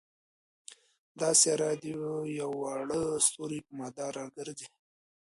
دا سیاره د یوه واړه ستوري په مدار کې را ګرځي.